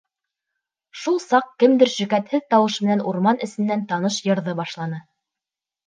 Шул саҡ кемдер шөкәтһеҙ тауыш менән урман эсенән таныш йырҙы башланы: